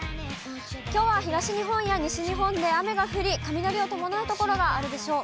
きょうは東日本や西日本で雨が降り、雷を伴う所があるでしょう。